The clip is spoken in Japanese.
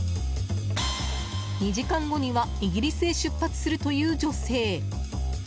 ２時間後にはイギリスへ出発するという女性。